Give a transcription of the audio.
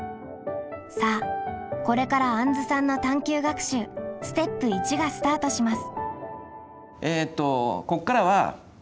さあこれからあんずさんの探究学習ステップ①がスタートします。